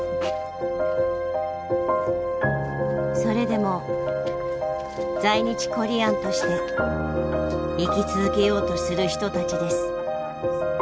それでも在日コリアンとして生き続けようとする人たちです。